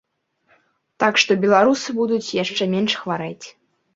Так што беларусы будуць яшчэ менш хварэць.